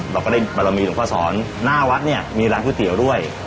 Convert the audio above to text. เราก็ได้บารมีหลวงพ่อสอนหน้าวัดเนี่ยมีร้านก๋วยเตี๋ยวด้วย